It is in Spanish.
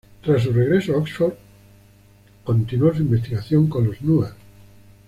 Tras su regreso a Oxford, continuó su investigación con los nuer.